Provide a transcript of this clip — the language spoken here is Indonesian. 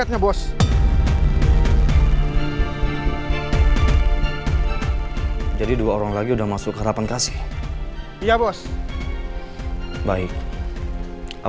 tapi kalo gue kuliah ke harapan kasih lagi lah